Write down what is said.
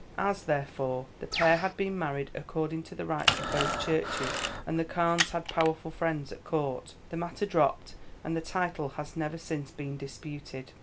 As, therefore, the pair had been married according to the rites of both Churches, and the Carnes had powerful friends at Court, the matter dropped, and the title has never since been disputed.